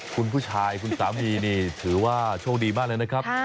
คุณผู้ชายคุณสามีนี่ถือว่าโชคดีมากเลยนะครับ